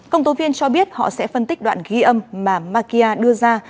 công tố viên cho biết họ sẽ phân tích đoạn ghi âm mà makia đưa ra